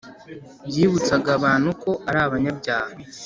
byibutsaga abantu ko ari abanyabyaha